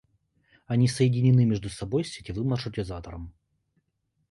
Они соединены между собой сетевым маршрутизатором